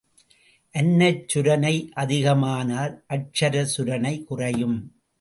அன்னச் சுரணை அதிகமானால் அட்சர சுரணை குறையும்.